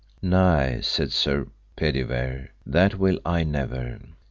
Nay, sir, said Pedivere, that will I never.